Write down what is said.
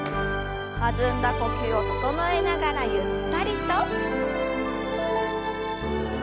弾んだ呼吸を整えながらゆったりと。